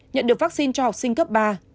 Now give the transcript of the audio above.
nhận được vaccine cho học sinh cấp ba